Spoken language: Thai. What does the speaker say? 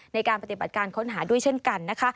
ในการปฏิบัติการค้นหาด้วยเช่นกันนะคะ